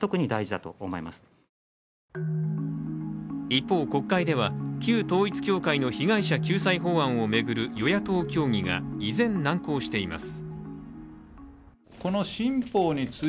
一方、国会では、旧統一教会の被害者救済法案を巡る与野党協議が依然、難航しています。